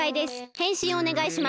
へんしんおねがいします。